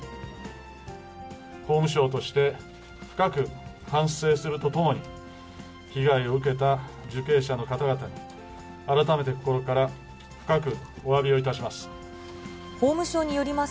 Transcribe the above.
法務省として、深く反省するとともに、被害を受けた受刑者の方々に改めて心から深くおわびをいたします。